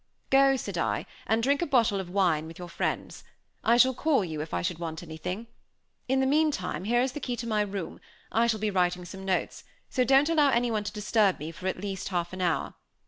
"Go," said I, "and drink a bottle of wine with your friends. I shall call you if I should want anything; in the meantime, here is the key to my room; I shall be writing some notes, so don't allow anyone to disturb me for at least half an hour.